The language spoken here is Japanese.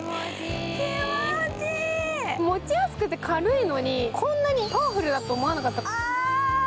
持ちやすくて軽いのにこんなにパワフルだと思わなかった。